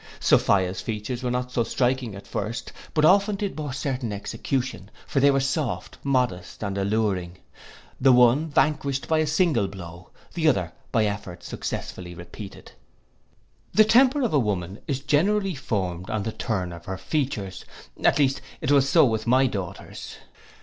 Sophia's features were not so striking at first; but often did more certain execution; for they were soft, modest, and alluring. The one vanquished by a single blow, the other by efforts successfully repeated. The temper of a woman is generally formed from the turn of her features, at least it was so with my daughters.